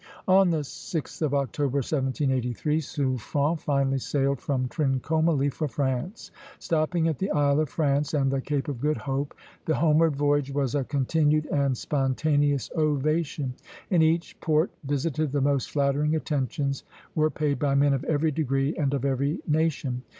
On the 6th of October, 1783, Suffren finally sailed from Trincomalee for France, stopping at the Isle of France and the Cape of Good Hope. The homeward voyage was a continued and spontaneous ovation. In each port visited the most flattering attentions were paid by men of every degree and of every nation.